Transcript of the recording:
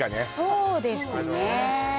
そうですね